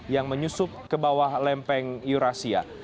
yang menyusup ke bawah lempeng eurasia